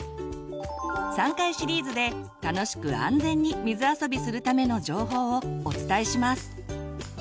３回シリーズで楽しく安全に水あそびするための情報をお伝えします。